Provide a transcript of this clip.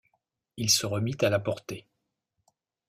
Il se remit à la porter.